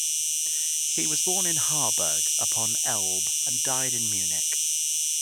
He was born in Harburg upon Elbe and died in Munich.